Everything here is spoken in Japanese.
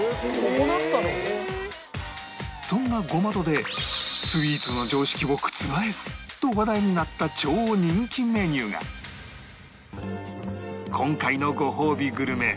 そんな ｇｏｍａｔｏ で「スイーツの常識を覆す」と話題になった超人気メニューが今回のごほうびグルメ